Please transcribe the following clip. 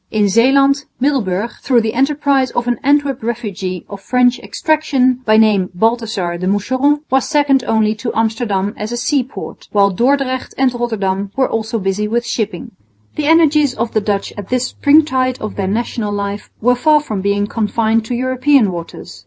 In Zeeland, Middelburg, through the enterprise of an Antwerp refugee of French extraction, by name Balthazar de Moucheron, was second only to Amsterdam as a sea port, while Dordrecht and Rotterdam were also busy with shipping. The energies of the Dutch at this springtide of their national life were far from being confined to European, waters.